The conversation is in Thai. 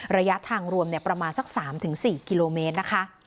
ระยะทางรวมประมาณสัก๓๔กิโลเมตรนะคะ